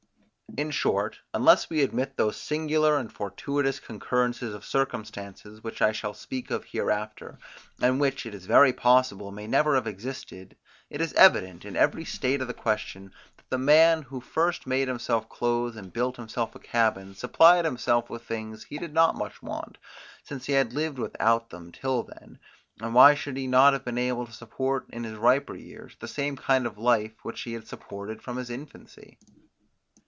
In short, unless we admit those singular and fortuitous concurrences of circumstances, which I shall speak of hereafter, and which, it is very possible, may never have existed, it is evident, in every state of the question, that the man, who first made himself clothes and built himself a cabin, supplied himself with things which he did not much want, since he had lived without them till then; and why should he not have been able to support in his riper years, the same kind of life, which he had supported from his infancy?